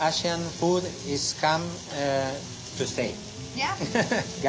いや。